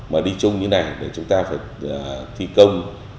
mà đi chung như này để chúng ta phải thi công